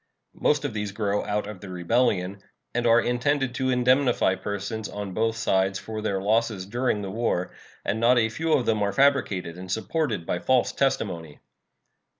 Most of these grow out of the rebellion, and are intended to indemnify persons on both sides for their losses during the war; and not a few of them are fabricated and supported by false testimony.